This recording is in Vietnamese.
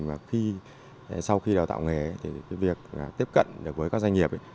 và sau khi đào tạo nghề việc tiếp cận với các doanh nghiệp